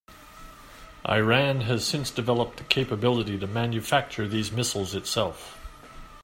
Iran has since developed the capability to manufacture these missiles itself.